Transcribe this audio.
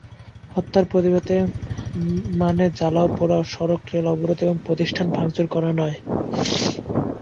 হত্যার প্রতিবাদ মানে জ্বালাও-পোড়াও, সড়ক-রেল অবরোধ এবং প্রতিষ্ঠান ভাঙচুর করা নয়।